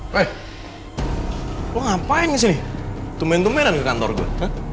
weh lo ngapain disini tumen tumenan ke kantor gue